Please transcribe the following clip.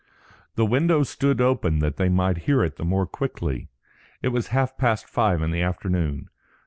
The window stood open that they might hear it the more quickly. It was half past five in the afternoon.